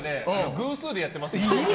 偶数でやってます。